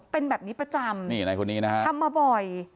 เป็นแบบนี้ประจำนี่ในคนนี้นะฮะทำมาบ่อย